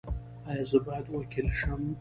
ایا زه باید وکیل شم؟